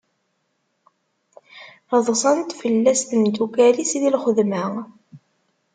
Ḍṣant fell-as temdukkal-is di lxedma.